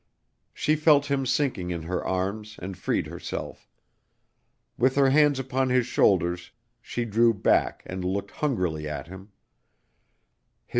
She felt him sinking in her arms and freed herself. With her hands upon his shoulders she drew back and looked hungrily at him.